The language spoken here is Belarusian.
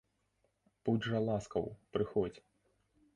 Будзь жа ласкаў, прыходзь.